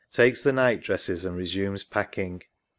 Takes the night dresses, and resumes packing.